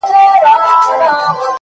ځكه له يوه جوړه كالو سره راوتـي يــو،